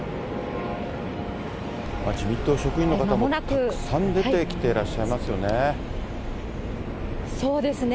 自民党職員の方もたくさん出てきてらっしゃいますよね。